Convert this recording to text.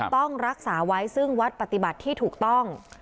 ต้องรักษาไว้ซึ่งวัดปฏิบัติที่ถูกต้อง